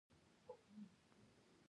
چې وه ليونيه دا څه لانجه دې راخيستې ده.